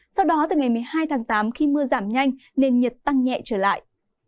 sau đó từ ngày một mươi hai tháng tám khi mưa giảm nhanh nên nhiệt tăng nhẹ trở lại